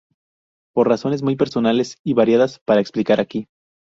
Por razones muy personales y variadas para explicar aquí.